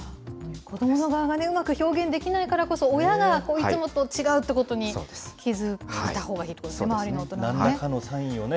子どもの場合はうまく表現できないからこそ、親がいつもと違うということに気付いたほうがいいってことですね、周りの大人がなんらかのサインを。